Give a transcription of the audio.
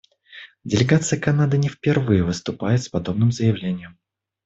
Делегация Канады не впервые выступает с подобным заявлением.